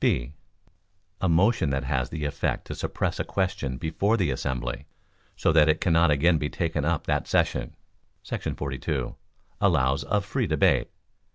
(b) A motion that has the effect to suppress a question before the assembly, so that it cannot again be taken up that session [§ 42], allows of free debate.